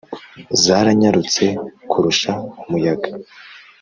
Zaranyarutse kurusha umuyaga.